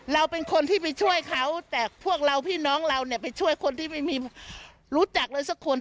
เราเป็นคนที่ไปช่วยเขาแต่พวกเราพี่น้องเราเนี่ยไปช่วยคนที่ไม่มีรู้จักเลยสักคน